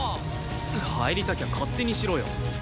入りたきゃ勝手にしろよ。